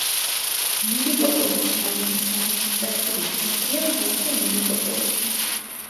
მელიტოპოლის რაიონის ადმინისტრაციული ცენტრია ქალაქი მელიტოპოლი.